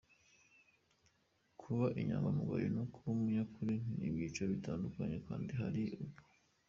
Kuba inyangamugayo no kuba umunyakuri ni iby'igiciro gitangaje kandi hari ubwo.